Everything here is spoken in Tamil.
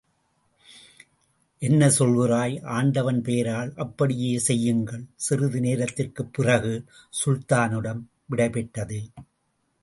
என்ன சொல்கிறாய்? ஆண்டவன் பெயரால் அப்படியே செய்யுங்கள்! சிறிது நேரத்திற்குப் பிறகு, சுல்தானிடம் விடைபெற்றது.